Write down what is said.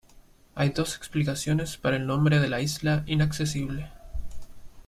Hay dos explicaciones para el nombre de isla Inaccesible.